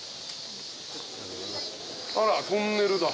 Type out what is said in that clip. あらトンネルだ。